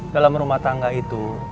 dalam rumah tangga itu